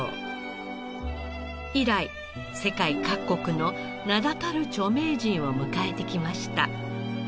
以来世界各国の名だたる著名人を迎えてきました。